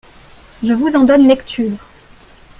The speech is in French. Je vous en donne lecture.